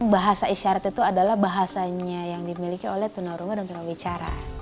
bahasa isyarat itu adalah bahasanya yang dimiliki oleh tunarunga dan tunawicara